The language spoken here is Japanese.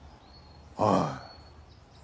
ああ。